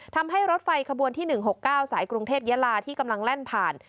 ทำให้รถไฟขบวนที่๑๖๙สายกรุงเทพยาลาที่กำลังแล่นผ่าน